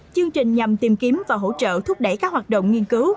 chương trình nhằm tìm kiếm và hỗ trợ thúc đẩy các hoạt động nghiên cứu